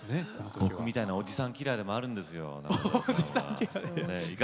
僕みたいなおじさんキラーでもあるんですよ。